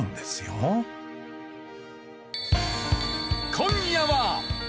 今夜は。